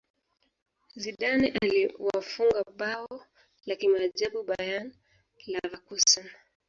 zidane aliwafunga bao la kimaajabu bayern leverkusen